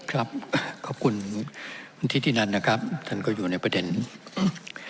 ครับขอบคุณที่ที่นั้นนะครับท่านก็อยู่ในประเด็นอืม